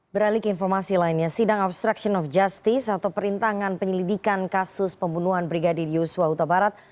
beralik informasi lainnya sidang obstruction of justice atau perintangan penyelidikan kasus pembunuhan brigadir yosua utabarat